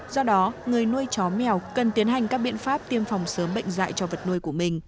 do đó người nuôi chó mèo cần tiến hành các biện pháp tiêm phòng sớm bệnh dạy cho vật nuôi của mình